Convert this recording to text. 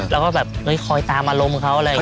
แล้วก็แบบคอยตามอารมณ์เขาอะไรอย่างนี้